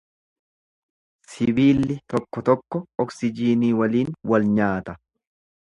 Sibiilli tokko tokko oksijiinii waliin walnyaata.